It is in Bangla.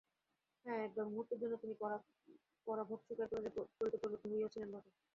হাঁ, একবার মুহূর্তের জন্য তিনি পরাভব স্বীকার করিতে প্রলুব্ধ হইয়াছিলেন বটে।